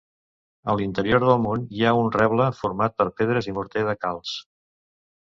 A l'interior del mur hi ha un reble, format per pedres i morter de calç.